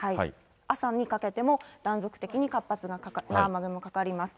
朝にかけても断続的に活発な雨雲かかります。